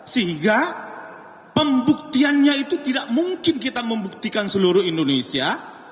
sehingga pembuktiannya itu tidak mungkin kita membuktikan seluruh indonesia